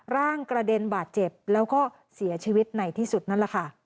ร่างกระเด็นบาดเจ็บแล้วก็เสียชีวิตในที่สุดนั่นแหละค่ะ